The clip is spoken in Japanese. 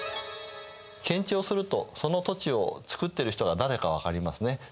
検地をするとその土地を作っている人が誰か分かりますね。